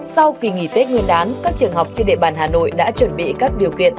sau kỳ nghỉ tết nguyên đán các trường học trên địa bàn hà nội đã chuẩn bị các điều kiện